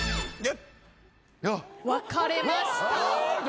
分かれました。